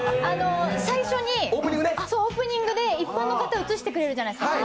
最初オープニングで一般の方映してくれるじゃないですか。